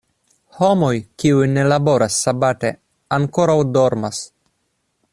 Homoj, kiuj ne laboras sabate ankoraŭ dormas.